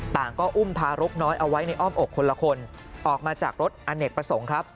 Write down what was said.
ก็อุ้มทารกน้อยเอาไว้ในอ้อมอกคนละคนออกมาจากรถอเนกประสงค์ครับ